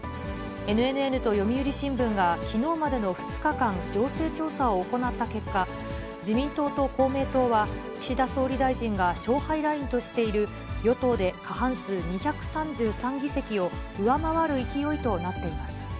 ＮＮＮと読売新聞がきのうまでの２日間、情勢調査を行った結果、自民党と公明党は、岸田総理大臣が勝敗ラインとしている与党で過半数２３３議席を上回る勢いとなっています。